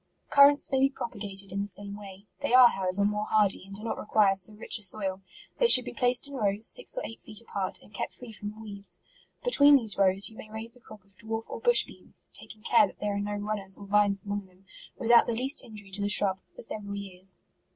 Currants may be propagated in the same way. They are, however, more hardy, and do not require so rich a soil. They should be placed in rows, six or eight feet apart, and kept free from weeds. Between these rows, you may raise a crop of dwarf or bush beans, (taking care that there are no runners, or vines among them) without the least injury to the shrub, for several years.